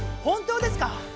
本当ですか